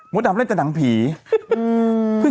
เป็นการกระตุ้นการไหลเวียนของเลือด